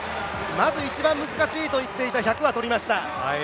まず、一番難しいといっていた、１００はとりました。